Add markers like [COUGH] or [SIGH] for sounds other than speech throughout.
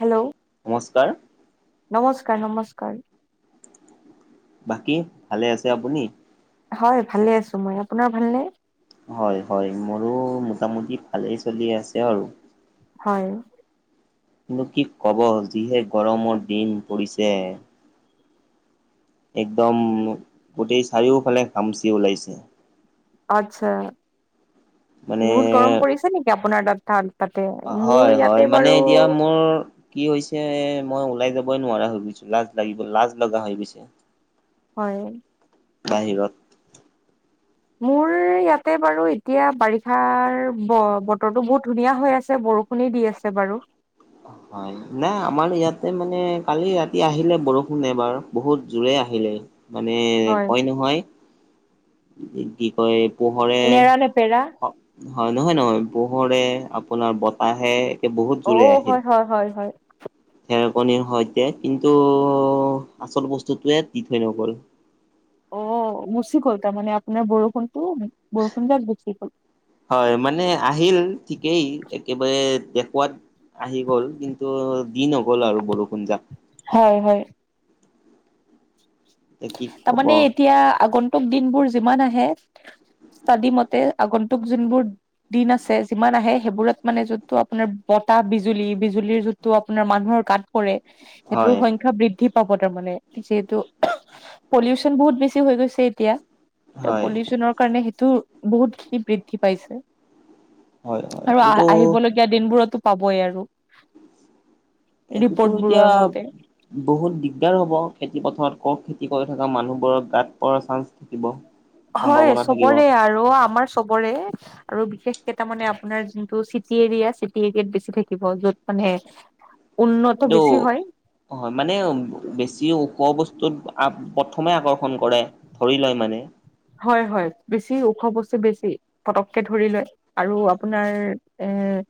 Hello, নমস্কাৰ। নমস্কাৰ নমস্কাৰ বাকী ভালে আছে আপুনি হয় ভালে আছো মই আপোনাৰ ভাল নে? হয় হয় মোৰো মোটামুটি ভালেই চলি আছে আৰু হয় কিন্তু কি ক'ব যিহে গৰমৰ দিন পৰিছে একদম গোটেই চাৰিওফালে ঘামুচি ওলাইছে আচ্ছা মানে বহুত গৰম পৰিছে নেকি আপোনাৰ তাৰ তাত তাতে হয় মোৰ হয় ইয়াতে মানে বাৰু এতিয়া মোৰ কি হৈছে মই ওলাই যাবই নোৱাৰা হৈ গৈছো লাজ লাগিব লাজ লগা হৈ গৈছে হয় বাহিৰত মোৰ ইয়াতে বাৰু এতিয়া বাৰিষাৰ ব বতৰটো বহুত ধুনীয়া হৈ আছে বৰষুণে দি আছে বাৰু হয় নাই আমাৰ ইয়াতে মানে কালি ৰাতি আহিলে বৰষুণ এবাৰ বহুত জোৰে আহিলে মানে হয় কয় নহয় এই যে কি কয় পোহৰে নেৰা নেপেৰা হয় নহয় নহয় পোহৰে আপোনাৰ বতাহে এতিয়া বহুত অ জোৰে আহিল হয় হয় হয় হয় ঢেৰকনীৰ সৈতে কিন্তু আচল বস্তুটোৱে দি থৈ নগ'ল অ মুচিকল তাৰ মানে আপোনাৰ বৰষুণতটো বৰষুণ জাক গুচি গ'ল হয় মানে আহিল ঠিকেই একেবাৰে দেখুৱাত আহি গ'ল কিন্তু দি গ'ল আৰু বৰষুণ যাক হয় হয় এতিয়া কি ক'ব। তাৰমানে এতিয়া আগন্তুক দিনবোৰ যিমান আহে তাদি মতে আগন্তুক যোনবোৰ দিন আছে যিমান আহে সেইবোৰত মানে যোনটো আপোনাৰ বতাহ বিজুলী বিজুলীৰ যোন টো আপোনাৰ মানুহৰ গাত পৰে হয় সেইটোৰ সংখ্যা বৃদ্ধি পাব তাৰমানে যিহেতু পলিউচন বহুত বেছি হৈ গৈছে এতিয়া ত হয় পলিউচনক কাৰণে সেইটো বহুতখি বৃদ্ধি পাইছে হয় হয় আৰু আহ এইটো আহিব ল গিয়া দিনবোৰতো পাবই আৰু এইটোতো ৰিপৰ্ট এতিয়া বোৰৰ মতে বহুত দিগদাৰ হব খেতি পথাৰত কত খেতি কৰি থকা মানুহবোৰৰ গাত পোৰাৰ চান্স থাকিব হয় সম্ভাৱনা থাকিব। চবৰে আৰু আমাৰ চবৰে আৰু বিশেষকে তাৰ মানে আপোনাৰ যোনটো চিটি এৰিয়া চিটি এৰিয়াত বেছি থাকিব য'ত মানে উন্নত বেছি হয় অ হয় মানে বেছি ওখ বস্তুত প্ৰথমে আকৰ্ষণ কৰে ধৰি লয় মানে হয় হয় বেছি ওখ বছে বেছি পটককে ধৰি লয় আৰু আপোনাৰ এৰ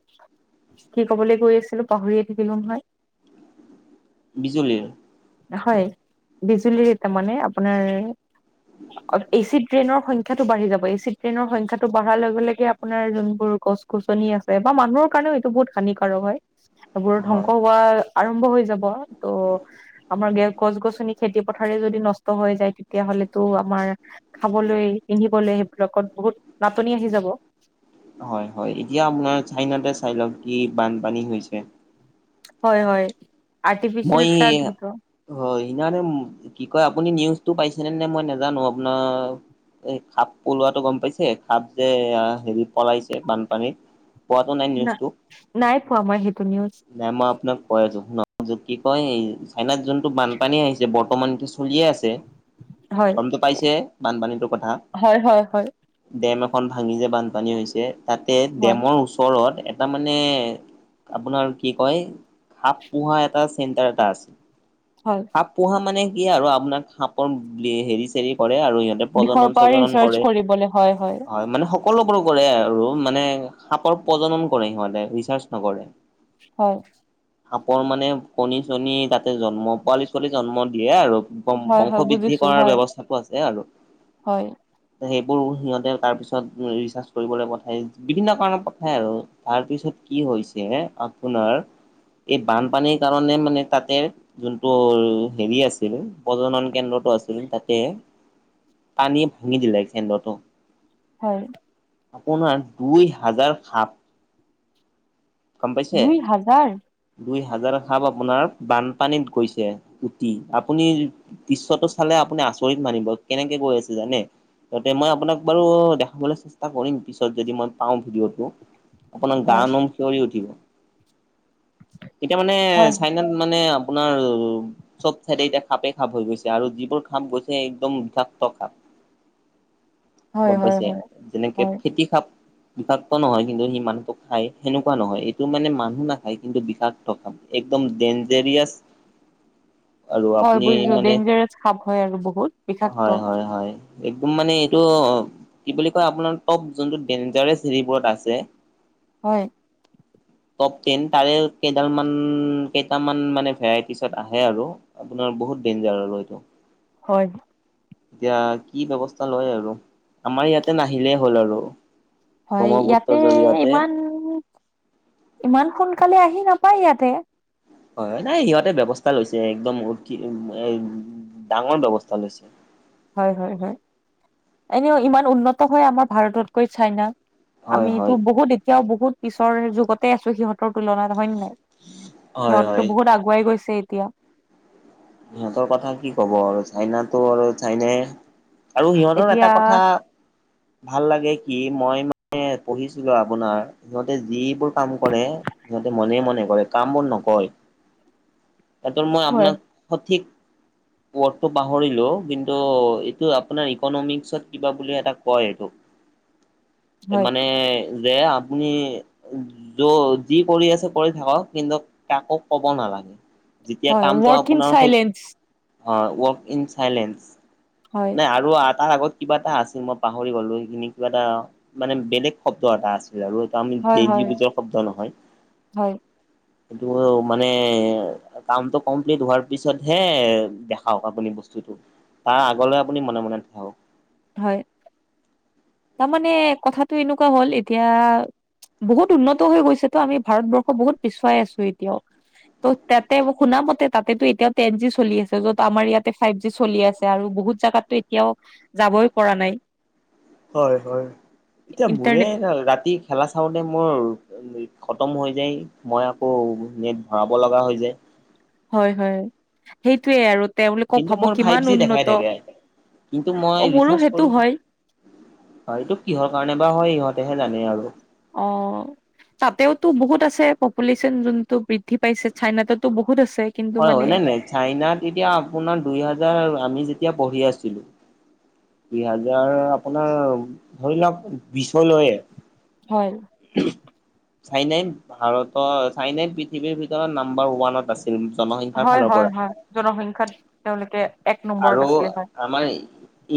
কি কবলে গৈ আছিলো পাহৰিয়ে থাকিলো নহয় বিজুলীৰ হয় বিজুলীৰ তাৰ মানে আপোনাৰ এচিড ট্ৰেইনৰ সংখ্যাটো বাঢ়ি যাব চি ট্ৰেইনৰ সংখ্যাটো বাঢ়াৰ লগে লগে আপোনাৰ যোনবোৰ গছ গছনি আছে বা মানুহৰ কাৰণেও এইটো বহুত হানিকাৰক হয় সেই বোৰত হয়। ধ্বংস হোৱা আৰম্ভ হৈ যাব ত' আমাৰ গছ-গছনি খেতি পথাৰে যদি নষ্ট হৈ যায় তেতিয়াহলেতো আমাৰ খাবলৈ পিন্ধিবলৈ সেইবিলাকত বহুত নাটনি আহি যাব। হয় হয় এতিয়া আপোনাৰ চাইনাতে চাই লওক কি বানপানী হৈছে। হয় হয়। আৰ্টিফিচিয়েল মই ফ্লাড সেইটো হয়, সিনানে কি কয় আপুনি নিউজটো পাইছেনে নে মই নাজানো আপোনাৰ এই খাপ পলোৱাটো গম পাইছে খাপ যে হেৰি পলাইছে বানপানীত। পোৱাতু নাই না নিউজটো, নাই পোৱা মই সেইটো নিউজ মই আপোনাক কৈ আছো শুনক। কি কয় এই চাইনাত যোনটো বানপানী আহিছে বৰ্তমানটো চলিয়ে আছে। হয় গমটো পাইছে বানপানীটোৰ কথা। হয় হয় হয় ডেম এখন ভাঙি যে বানপানী হৈছে তাতে হয় ডেমৰ ওচৰত তাৰমানে আপোনাৰ কি কয়, খাপ পুহা এটা চেণ্টাৰ এটা আছে। হয়। সাপ পোহা মানে কি আৰু আপোনাক সাপৰ হেৰি চেৰি কৰে আৰু সিহঁত দিশৰ প্ৰজনন পৰা সজনন ৰিচাৰ্চ কৰে, কৰিবলে হয় হয় মানে সক সকলোবোৰ কৰে আৰু মানে সাপৰ প্ৰজনন কৰে সিহঁতে ৰিচাৰ্চ নকৰে। হয়। সাপৰ মানে কণী চণী তাতে জন্ম পোৱালি ছোৱালী জন্ম দিয়ে আৰু। হয় হয় বংশ বৃদ্ধি বুজিছো কৰাৰ হয় ব্যৱস্থাতটো আছে আৰু। হয় সেইবোৰ সিহঁতে তাৰ পিছত ৰিচাৰ্চ কৰিবলৈ পঠায় বিভিন্ন কাৰণত পঠায় আৰু। তাৰপিছত কি হৈছে আপোনাৰ এই বানপানীৰ কাৰণে মানে তাতে যোনটো হেৰি আছিলে, প্ৰজনন কেন্দ্ৰটো আছিল তাতে পানীয়ে ভাঙি দিলে কেন্দ্ৰটো। হয়। আপোনাৰ দুই হাজাৰ সাপ। গম পাইছে। দুই হাজাৰ দুই হাজাৰ সাপ আপোনাৰ বানপানীত গৈছে উুটি আপুনি দৃশ্যটো চালে আপুনি আচৰিত মানিব কেনেকে গৈ আছে জানে! ততে মই আপোনাক বাৰু দেখাবলৈ চেষ্টা কৰিম পিছত যদি মই পাওঁ ভিডিঅ'টো। আপোনাক গা হয় নোম সিয়ৰি উঠিব, এতিয়া মানে হয় চাইনাত মানে আপোনাৰ চব চাইডে এতিয়া সাপে সাপ হৈ গৈছে আৰু যিবোৰ সাপ গৈছে একদম বিষাক্ত সাপ। [UNINTELLIGIBLE] হয় গম হয় পাইছে, হয় যেনেকে হয় খেতি সাপ। বিষাক্ত নহয় কিন্তু সি মানুহটো খাই। সেনেকুৱা নহয় এইটো মানে মানুহ নাখায় কিন্তু বিষাক্ত সাপ একদম ডেঞ্জেৰিয়াছ আৰু হয় আপুনি বুজিছো মানে ডেঞ্জাৰাছ সাপ হয় আৰু বহুত হয় বিষাক্ত। হয় হয় একদম মানে এইটো কি বুলি কয় আপোনাৰ টপ যোনটো ডেঞ্জাৰছ ৰিবৰত আছে। হয়। টপ টেন তাৰে কেইডালমান কেইটামান মানে ভেৰাইটিচত আহে আৰু আপোনাৰ বহুত ডেইনজাৰ আৰু এইটো। হয়। এতিয়া কি ব্যৱস্থা লয় আৰু আমাৰ ইয়াতে নাহিলেই হ'ল আৰু। হয় ব্ৰহ্মপুত্ৰৰ ইয়াতে জৰিয়তে ইমান ইমান সোনকালে আহি নাপায় ইয়াতে। হয় হয় নাই সিহঁতে ব্যৱস্থা লৈছে একদম উ এ ডাঙৰ ব্যৱস্থা লৈছে। হয় হয় হয় এনেও ইমান উন্নত হয় আমাৰ ভাৰততকৈ চাইনা হয় আমিতো হয় বহুত এতিয়াও বহুত পিছৰ যুগতে আছো সিহঁতৰ তুলনাত নহয় ন নাই হয় হয় সিহঁতে বহুত আগুৱাই গৈছে এতিয়া সিহঁতৰ কথা কি ক'ব আৰু চাইনাতটো আৰু চাইনে আৰু সিহঁতৰ এটা এতিয়া কথা ভাল লাগে কি মই মানে পঢ়িছিলো আপোনাৰ সিহঁতে যিবোৰ কাম কৰে সিহঁতে মনে মনে কৰে কাম বোৰ নকয় সহত মই হয় আপোনাক সঠিক ৰ্ডটো পাহৰিলো কিন্তু এইটো আপোনাৰ ইকনমিক্সত কিবা বুলি এটা কয় এই [UNINTELLIGIBLE] মানে যে আপুনি য যি কৰি আছে কৰি থাকক কিন্তু কাকো ক'ব নালাগে। যেতিয়া কামটো আপোনাৰ চাইলেস অ ৱৰ্ক ইন চাইলেঞ্চ হয় নাই আৰু আৰু তাৰ আগত কিবা এটা আছিল মই পাহৰি গলো সেইখিনি কিবা এটা মানে বেলেগ শব্দ এটা আছিল আৰু এটা আমি হয় হয় ডেইলী পুজৰ শব্দ নহয় হয় কি মানে কামটো কমপ্লিট হোৱাৰ তাৰপিছতহে দেখাওক আপুনি বস্তুতটো তাৰ আগলৈ আপুনি মনে মনে থাকক হয় তাৰমানে কথাটো এনেকুৱা হ'ল এতিয়া বহুত উন্নত হৈ গৈছে তো আমি ভাৰতবৰ্ষ বহুত পিছুৱাই আছো এতিয়াও ত' তাতে শুনা মতে তাতেটো এতিয়াও টেন জি চলি আছে য'ত আমাৰ ইয়াতে ফাইভ জি চলি আছে। আৰু বহুত জাগাতো এতিয়াও যাবই পৰা নাই। হয় হয়, এতিয়া ইন্টাৰনেট মোৰেই ৰাতি খেলা চাওঁতে মোৰ খতম হৈ যায়, মই আকৌ নেট ভৰাব লগা হৈ যায়। হয় হয়, সেইটোৱেই আৰু। তেওঁলোকক কিন্তু মোৰ ভাবক ফাইভ কিমান জি দেখাই উন্নত, থাকে কিন্তু মই অ', মোৰো সেইটো হয়। অ', এইটো কিহৰ কাৰণে বা হয়, ইহঁতেহে জানে আৰু। অহ। তাতেও তো বহুত আছে, পপুলেশ্যন যোনতটো বৃদ্ধি পাইছে, চাইনাতোটো বহুত আছে। কিন্তু হয় মানে হয়, নাই নাই, চাইনা তেতিয়া আপোনাৰ দুই হাজাৰ আমি যেতিয়া পঢ়ি আছিলো। দু হাজাৰ আপোনাৰ ধৰি লওক বিশ লয় হয় চাইনাইত ভাৰতৰ চাইনাইত পৃথিৱীৰ ভিতৰত নাম্বাৰ ওৱানত আছে জমা হৈ হয়, হয়, হয়, জনসংখ্যাত তেওঁলোকে এক নম্বৰত আৰু আছিলে হয় আমাৰ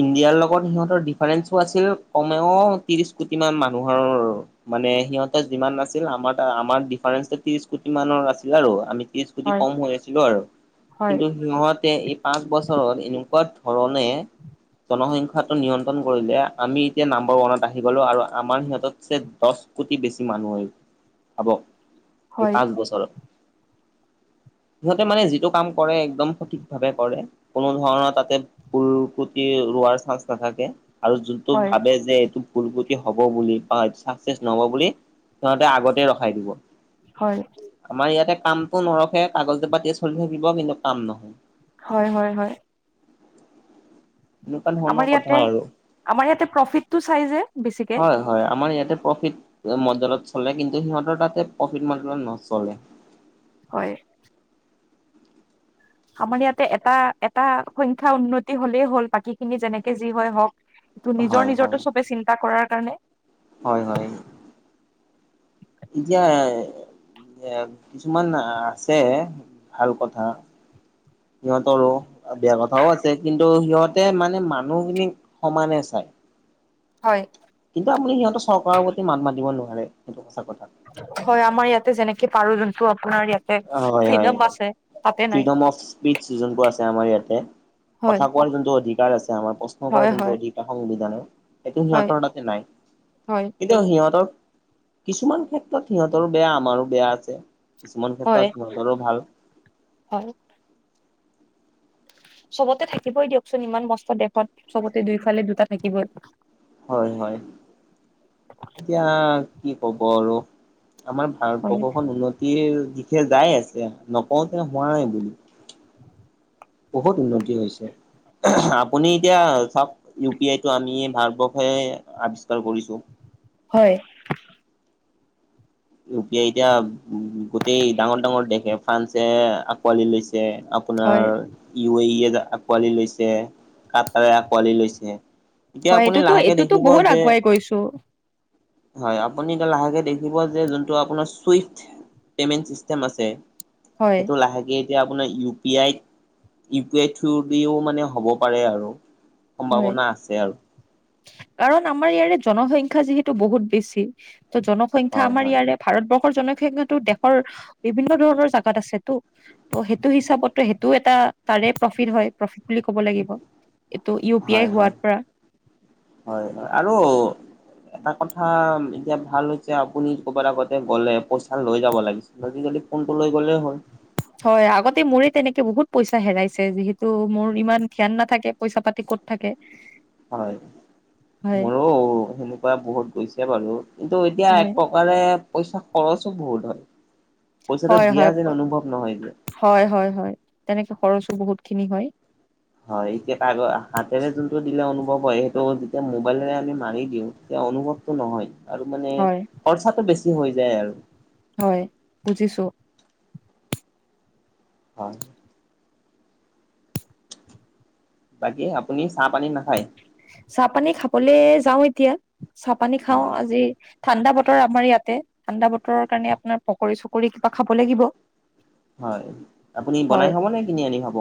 ইণ্ডিয়াৰ লগত সিহঁতৰ ডিফাৰেন্ঞ্চো আছিল, কমেও ত্ৰিশ কোটি মান মানুহৰ। মানে সিহঁতৰ যিমান নাছিল, আমাৰ আমাৰ ডিফাৰেন্সো ত্ৰিশ কোটি মানৰ আছিল আৰু আমি ত্ৰিশ যি হয় কম হৈ আছিলো আৰু, হয় কিন্তু সিহঁতে এই পাঁচ বছৰ এনেকুৱা ধৰণে জনসংখ্যাটো নিয়ন্ত্ৰণ কৰিলে, আমি এতিয়া নাম্বৰ ওৱানত আহি গ'লো আৰু আমাৰ সিহঁতচে দহ কোটি বেছি মানুহ হৈ গ'ল, ভাবক এই হয় পাঁচ বছৰত। সিহঁতে মানে যিটো কাম কৰে, একদম সঠিকভাৱে কৰে। কোনো ধৰণৰ তাতে ভুল ক্ৰুটি ৰোৱাৰ চান্স নাথাকে। আৰু যোনটো হয় ভাবে যে এইটো - ভুল ক্ৰুটি হ'ব বুলি বা চাকচেছ নহব বুলি সিহতে আগতেই ৰখাই দিব। হয়। আমাৰ ইয়াতে কামটো নৰখে, কাগজে পাতিয়ে চলি থাকিব, কিন্তু কাম নহয়। হয়, হয়, হয়। এনেকুৱা ধৰণৰ আমাৰ কথা ইয়াতে, আৰু আমাৰ ইয়াতে প্ৰফিটটো চাই যে বেছিকে। হয় হয়, আমাৰ ইয়াতে প্ৰফিট মডেলত চলে, কিন্তু সিহঁতৰ তাতে প্ৰফিট মডেলত নচলে। হয়। আমাৰ ইয়াতে এটা এটা সংখ্যা উন্নতি হ'লেই হ'ল বাকীখিনি যেনেকে যি হয় হওঁক। টো নিজৰ হয় হয় নিজৰটো চবেই চিন্তা কৰাৰ কাৰণে। হয় হয়। এতিয়া এ কিছুমান আছে ভাল কথা। সিহঁতৰো বেয়া কথাও আছে, কিন্তু সিহঁতে মানে মানুহখিনিক সমানে চাই। হয়। কিন্তু আপুনি সিহঁতৰ চৰকাৰৰ প্ৰতি মাত মাতিব নোৱাৰে, সেইটো সঁচা কথা। হয়, আমাৰ ইয়াতে যেনেকে পাৰো যোনটো আপোনাৰ ইয়াতে হয় হয় ফ্ৰীডম আছে। তাতে নাই ফ্ৰীডম অফ স্পিচ যোনটোৰ আছে আমাৰ ইয়াতে, হয় কথা কোৱাৰ যোনটো অধিক - কাৰ আছে আমাৰ, প্ৰশ্ন কৰা হয় যোনটো হয় অধিকাৰ সংবিধানৰ, সেইটো হয় সিহঁতৰ তাতে নাই। হয় কিন - কিন্তু সিহঁতৰ কিছুমান ক্ষেত্ৰত সিহঁতৰো বেয়া, আমাৰো বেয়া আছে, কিছুমান - হয়, হয়। চবতে থাকিবই দিয়কচোন ইমান মস্ত দেশত, চবতে দুইফালে দুটা থাকিবই। হয় হয়। এতিয়া কি ক'ব আৰু? আমাৰ হয় ভাৰতবৰ্ষখন উন্নতি - তিৰ দিশে যাই আছে, নকওঁ যে হোৱা নাই বুলি। বহুত উন্নতি হৈছে। আপুনি এতিয়া চাওক, ইউ পি আইটো আমি ভাৰতবৰ্ষই আৱিষ্কাৰ কৰিছোঁ। হয়। ইউ পি আই এতিয়া গোটেই ডাঙৰ ডাঙৰ দেশে, ফ্ৰান্সে আকোৱালি লৈছে। আপ - আপোনাৰ হয় ইউ এ ইয় আঁকোৱালি লৈছে, কাটাৰে আঁকোৱালি লৈছে। এতিয়া আপুনি লাহেকে দেখিব যে - কৈছো। হয়, আপুনি এতিয়া লাহেকে দেখিব যে, যোনটো আপোনাৰ চইফ পেমেণ্ট চিষ্টেম আছে, হয় সেইটো লাহেকে - এতিয়া আপোনাৰ ইউ পি আইত, ইউ পি আই থ্ৰু দিও মানে হ'ব পাৰে আৰু। হয় সম্ভাৱনা আছে আৰু। কাৰণ আমাৰ ইয়াৰে জনসংখ্যা যিহেতু বহুত বেছি, ত জন - সংখ্যা হয় আমাৰ হয় ইয়াৰে ভাৰতবৰ্ষৰ জনসংখ্যাটো দেশৰ বিভিন্ন ধৰণৰ জাগাত আছেতো। ত' সেইটো হিচাপতো সেইটো এটা তাৰে প্ৰফিট হয়, প্ৰফিট বুলি ক'ব লাগিব। ত' ইউ পি আই হয় হয় হোৱাৰ পৰা। হয়, হয়। আৰু - এটা কথা এতিয়া ভাল হৈছে আপুনি কৰবাত আগতে গ'লে, পইচা লৈ যাব লাগিছ। আজি কালি ফোনটো লৈ গ'লে হ'ল। হয়, আগতে মোৰে তেনেকে বহুত পইচা হেৰাইছে যিহেতু মোৰ ইমান ধ্যান নাথাকে পইচা-পাতি ক'ত থাকে। [UNINTELLIGIBLE] হয়, হয় মই অ সেনেকুৱা বহুত গৈছে বাৰু কিন্তু এতিয়া হয় এপক কাৰে পইচা খৰচো বহুত হয়, পইচাটো হয় দিয়া হয় যেন অনুভৱ নহয় যে। হয়, হয়, হয় তেনেকে খৰচো বহুত খিনি হয়। হয়, এতিয়া তা-আগৰ, হাতেৰে যোনটো দিলে অনুভৱ হয়, সেইটো যেতিয়া মোবাইলেৰে আমি মাৰি দিওঁ এতিয়া অনুভৱটো নহয় আৰু মানে হয় খৰচাটো বেছি হৈ যায় আৰু। হয় বুজিছো। হয়। বাকী আপুনি চাহ পানী নাখায়? চাহ পানী খাবলে যাওঁ এতিয়া, চাহ পানী খাও হয় আজি ঠাণ্ডা বতৰ আমাৰ ইয়াতে, ঠাণ্ডা বতৰৰ কাৰণে আপোনাৰ পকৰি-চকৰি কিবা খাব লাগিব। হয়, আপুনি বনাই হয় খাব নে, কিনি আনি খাব।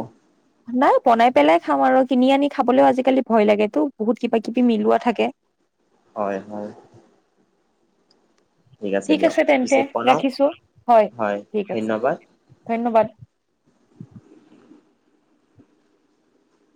নাই বনাই পেলাই খাও আৰু কিনি আনি খাবলৈও আজিকালি ভয় লাগেটো, বহুত কিবা-কিবি মিলোৱা থাকে। হয়, হয়। ঠিক দিয়ক আছে তেন্তে পিছে প্ৰণৱ ৰাখিছো হয় ঠিক আছে, ধন্যবাদ।